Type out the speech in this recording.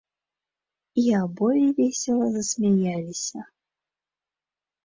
І абое весела засмяяліся.